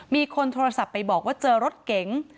มีคนโทรศัพท์ไปบอกว่าเจอรถเก๋ง